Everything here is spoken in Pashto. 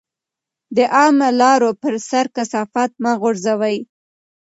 د عامه لارو پر سر کثافات مه غورځوئ.